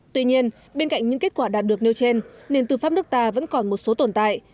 tuy nhiên bên cạnh những kết quả đạt được nêu trên nền tư pháp nước ta vẫn còn một số tồn tại